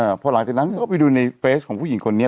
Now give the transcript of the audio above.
พอหลังจากนั้นก็ไปดูในเฟสของผู้หญิงคนนี้